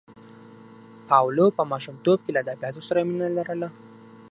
پاولو په ماشومتوب کې له ادبیاتو سره مینه لرله.